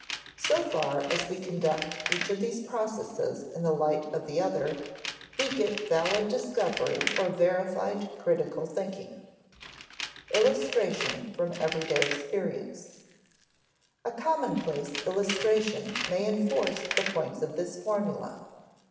So far as we conduct each of these processes in the light of the other, we get valid discovery or verified critical thinking. [Sidenote: Illustration from everyday experience] A commonplace illustration may enforce the points of this formula.